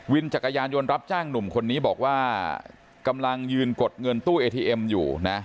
จักรยานยนต์รับจ้างหนุ่มคนนี้บอกว่ากำลังยืนกดเงินตู้เอทีเอ็มอยู่นะ